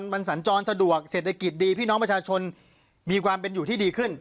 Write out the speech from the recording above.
มันสัญจรสะดวกเศรษฐกิจดีพี่น้องประชาชนมีความเป็นอยู่ที่ดีขึ้น